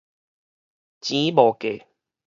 錢無價